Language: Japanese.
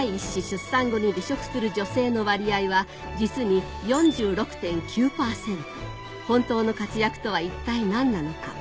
出産後に離職する女性の割合は実に４６．９％本当の活躍とは一体何なのか？